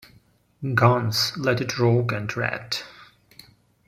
Guns, Let It Rawk, and Ratt.